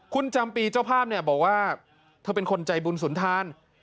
คุณจำปีเจ้าภาพเนี่ยบอกว่าเธอเป็นคนใจบุญสุนทาน